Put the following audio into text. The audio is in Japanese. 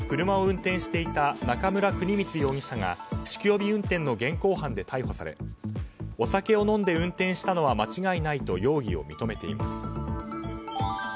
車を運転していた中村邦光容疑者が酒気帯び運転の現行犯で逮捕されお酒を飲んで運転したのは間違いないと容疑を認めています。